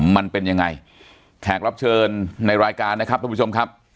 มันเป็นยังไงแขกรับเชิญในรายการนะครับทุกผู้ชมครับ